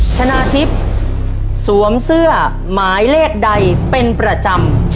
ชนะทิพย์สวมเสื้อหมายเลขใดเป็นประจำ